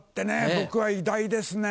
僕は偉大ですね。